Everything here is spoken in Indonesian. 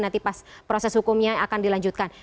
nanti pas proses hukumnya akan dilanjutkan